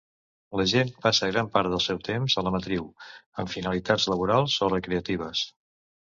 La gent passa gran part del seu temps a la "matriu" amb finalitats laborals o recreatives.